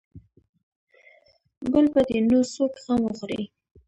بل به دې نو څوک غم وخوري.